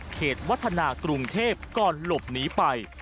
วัฒนากรุงเทพก่อนหลบหนีไป